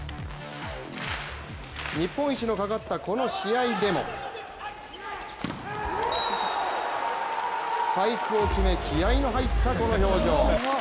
日本一のかかったこの試合でもスパイクを決め、気合いの入ったこの表情。